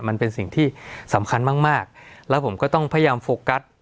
มันเป็นสิ่งที่สำคัญมากมากแล้วผมก็ต้องพยายามโฟกัส